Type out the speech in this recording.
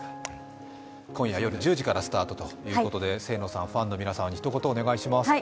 今夜夜１０時からスタートということで、清野さん、ファンの皆さんにひと言お願いします。